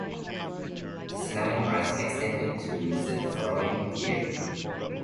The line was extended to the following year.